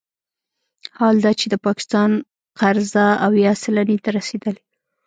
حال دا چې د پاکستان قرضه اویا سلنې ته رسیدلې